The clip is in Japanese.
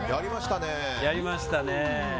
やりましたね。